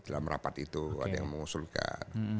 dalam rapat itu ada yang mengusulkan